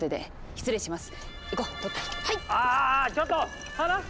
失礼します。